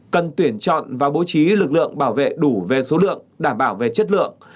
cần tuyển chọn và bố trí lực lượng bảo vệ đủ về số lượng đảm bảo về chất lượng